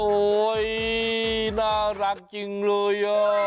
โอ๊ยน่ารักจริงเลย